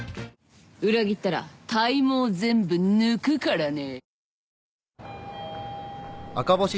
「裏切ったら体毛全部抜くからね」